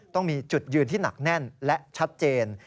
ต้องมีจุดยืนที่หนักแน่นและชัดเจน